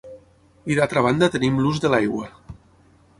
I d’altra banda tenim l’ús de l’aigua.